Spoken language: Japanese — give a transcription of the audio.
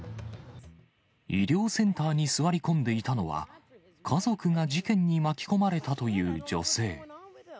医療センターに座り込んでいたのは、家族が事件に巻き込まれたという女性。